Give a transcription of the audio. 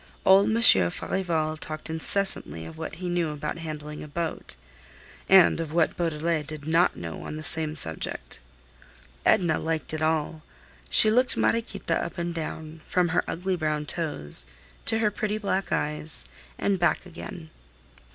Old Monsieur Farival talked incessantly of what he knew about handling a boat, and of what Beaudelet did not know on the same subject. Edna liked it all. She looked Mariequita up and down, from her ugly brown toes to her pretty black eyes, and back again.